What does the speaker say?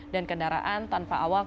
dan kendaraan tanpa alat